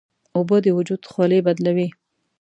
اوبه د وجود خولې بدلوي.